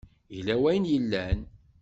Yella wayen yellan.